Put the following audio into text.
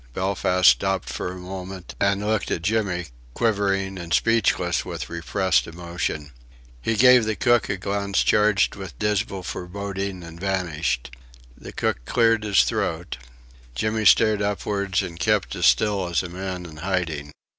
Belfast stopped for a moment and looked at Jimmy, quivering and speechless with repressed emotion. He gave the cook a glance charged with dismal foreboding, and vanished. The cook cleared his throat. Jimmy stared upwards and kept as still as a man in hiding.